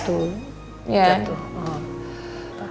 itu ya itu